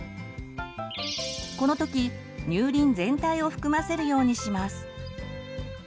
この時乳輪全体を含ませるようにします。